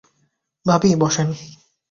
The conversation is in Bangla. ভাবি, বসেন।